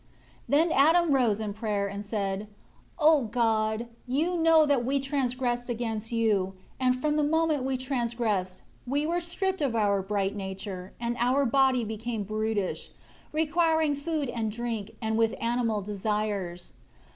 21 Then Adam rose up in prayer and said, "O God, you know that we transgressed against you, and from the moment we transgressed, we were stripped of our bright nature; and our body became brutish, requiring food and drink; and with animal desires.